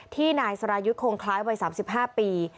ที่นายสรายุทธ์คงคล้ายวัย๓๕ปี